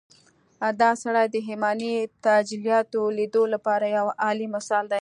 دا سړی د ايماني تجلياتود ليدو لپاره يو اعلی مثال دی.